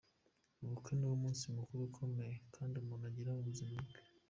Ubukwe niwo munsi mukuru ukomeye cyane umuntu agira mu buzima bwe.